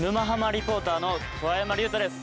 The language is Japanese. リポーターの桑山隆太です。